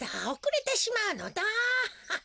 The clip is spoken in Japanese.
おくれてしまうのだ。